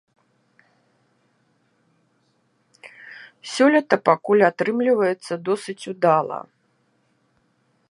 Сёлета пакуль атрымліваецца досыць удала.